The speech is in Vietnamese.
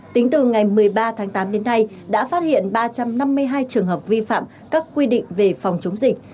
tính từ ngày một mươi ba tháng tám đến nay đã phát hiện ba trăm năm mươi hai trường hợp vi phạm các quy định về phòng chống dịch